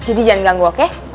jadi jangan ganggu oke